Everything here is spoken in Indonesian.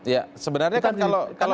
ya sebenarnya kan kalau